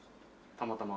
たまたま。